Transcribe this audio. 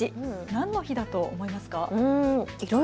何の日だと思いますか。